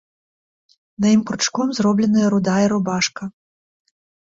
На ім кручком зробленая рудая рубашка.